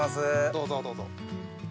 どうぞどうぞ。